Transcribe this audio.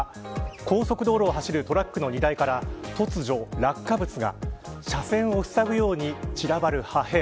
高速道路を走るトラックの荷台から、突如落下物が車線をふさぐように散らばる破片。